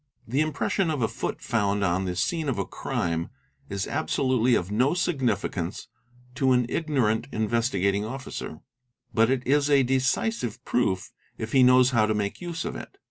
The impression of a foot found on the | scene of a crime is absolutely of no significance to an ignorant Investigat _ ing Officer, but it is a decisive proof if he knows how to make use of it.